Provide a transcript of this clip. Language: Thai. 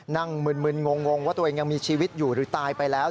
มึนงงว่าตัวเองยังมีชีวิตอยู่หรือตายไปแล้ว